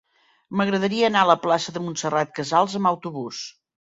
M'agradaria anar a la plaça de Montserrat Casals amb autobús.